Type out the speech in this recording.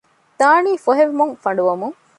ދާނީ ފޮހެވެމުން ފަނޑުވަމުން